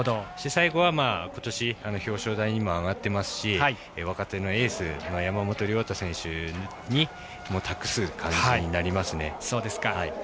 最後は、ことし表彰台にも上がってますし若手のエースの山本涼太選手に託す感じになりますね。